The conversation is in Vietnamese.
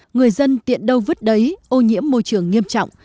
người dân tiện đâu vứt đấy ô nhiễm môi trường nghiêm trọng